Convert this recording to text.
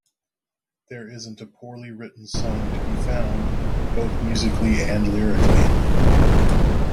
There isn't a poorly written song to be found, both musically and lyrically.